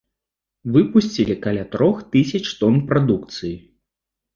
Выпусцілі каля трох тысяч тон прадукцыі.